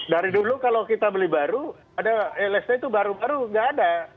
dari dulu kalau kita beli baru ada lst itu baru baru nggak ada